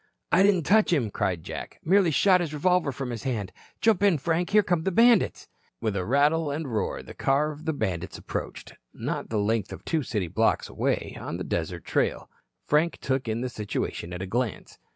"I didn't touch him," cried Jack, "merely shot his revolver from his hand. Jump in Frank, for here come the bandits." With a rattle and roar the car of the bandits approached, not the length of two city blocks away on the desert trail. Frank took in the situation at a glance.